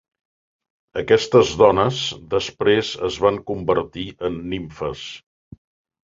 Aquestes dones després es van convertir en nimfes.